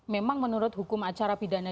memang menurut hukum acara pidana